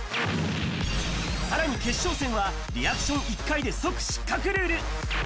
さらに決勝戦は、リアクション１回で即失格ルール。